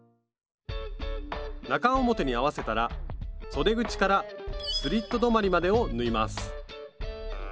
中表に合わせたらそで口からスリット止まりまでを縫います